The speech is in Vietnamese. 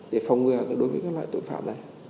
để phòng ngừa đối với các loại tội phạm này